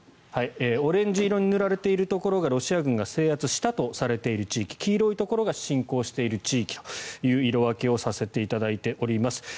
オレンジ色に塗られているところがロシア軍が制圧したとされている地域黄色いところが侵攻している地域という色分けをさせていただいています。